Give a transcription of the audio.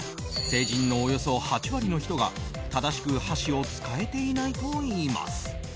成人のおよそ８割の人が箸を正しく使えていないといいます。